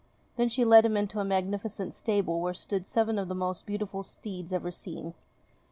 Then she led him into a magnificent stable where stood seven of the most beautiful steeds ever seen.